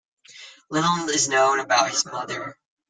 Little is known about his mother.